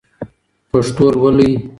پښتو لولئ!